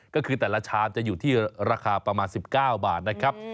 ก็คือแต่ละชามจะอยู่ที่ราคาประมาณ๑๙บาทนะครับ